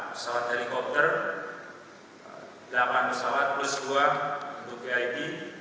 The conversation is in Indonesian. empat pesawat helikopter delapan pesawat plus dua untuk vip